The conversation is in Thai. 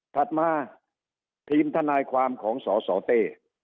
ถัดมาทีมทนายความของสสเต้